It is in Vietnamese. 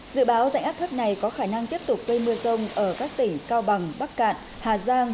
dự báo dạnh áp thấp này có khả năng tiếp tục gây mưa rông ở các tỉnh cao bằng bắc cạn hà giang